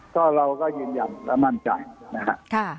ก็เราก็ยืนยันและมั่นใจนะครับ